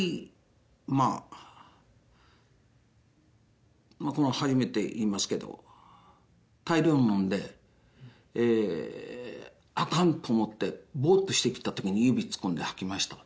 まぁ初めて言いますけど大量にのんであかんと思ってボッとしてきた時に指突っ込んで吐きました